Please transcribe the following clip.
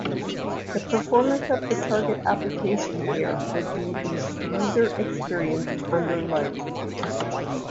The performance of the target application here would be the User Experience Under Load.